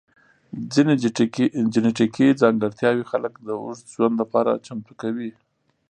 ځینې جنیټیکي ځانګړتیاوې خلک د اوږد ژوند لپاره چمتو کوي.